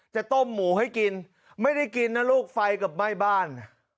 จะต้มหมูให้กินไม่ได้กินนะลูกไฟกับไหม้บ้าน